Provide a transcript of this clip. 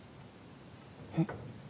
えっ？